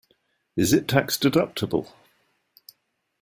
Is it tax-deductible?